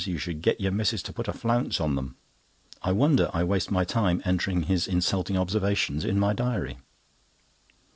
You should get your missus to put a flounce on them." I wonder I waste my time entering his insulting observations in my diary.